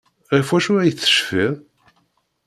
Ɣef wacu ay tecfiḍ?